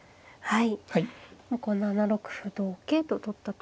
はい。